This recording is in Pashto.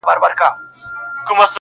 ته به مي شړې خو له ازل سره به څه کوو؟!.